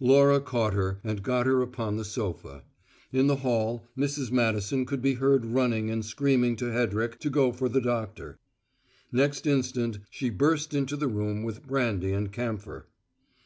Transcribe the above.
Laura caught her, and got her upon the sofa. In the hall, Mrs. Madison could be heard running and screaming to Hedrick to go for the doctor. Next instant, she burst into the room with brandy and camphor.